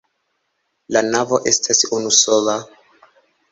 La navo estas unusola.